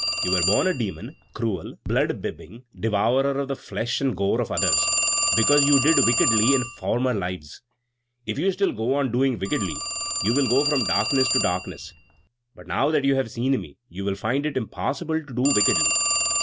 You were born a Demon, cruel, blood bibbing, devourer of the flesh and gore of others, because you did wickedly in former lives. If you still go on doing wickedly, you will go from darkness to darkness. But now that you have seen me you will find it impossible to do wickedly.